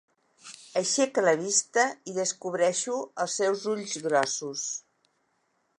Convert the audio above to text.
Aixeca la vista i descobreixo els seus ulls grossos.